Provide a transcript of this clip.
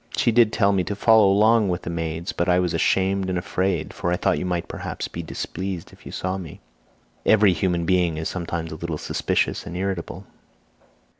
She did tell me to follow along with the maids, but I was ashamed and afraid, for I thought you might perhaps be displeased if you saw me. Every human being is sometimes a little suspicious and irritable."